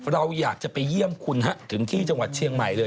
เราอยากจะไปเยี่ยมคุณฮะถึงที่จังหวัดเชียงใหม่เลย